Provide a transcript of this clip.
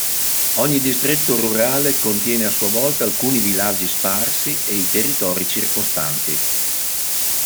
Ogni distretto rurale contiene a sua volta alcuni villaggi sparsi e i territori circostanti.